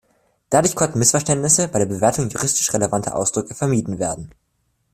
Dadurch konnten Missverständnisse bei der Bewertung juristisch relevanter Ausdrücke vermieden werden.